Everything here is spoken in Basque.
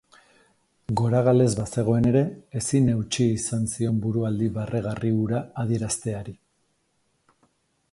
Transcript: Goragalez bazegoen ere, ezin eutsi izan zion burualdi barregarri hura adierazteari.